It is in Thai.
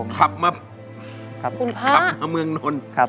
ขับมาเมืองนนท์